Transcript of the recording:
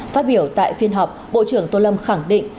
phát biểu tại phiên họp bộ trưởng tô lâm khẳng định